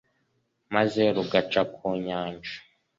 maze rugaca ku nyanja